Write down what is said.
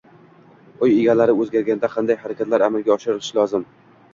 Uy egalari o‘zgarganda qanday harakatlar amalga oshirilishi lozim?